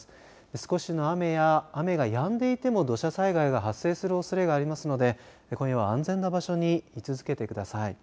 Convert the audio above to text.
少しの雨や、雨がやんでいても土砂災害が発生するおそれがありますので安全な場所に居続けてください。